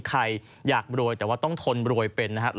ใครอยากรวยแต่ว่าต้องทนรวยเป็นนะครับ